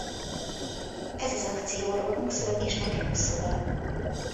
Ez az akció rólunk szól és nekünk szól.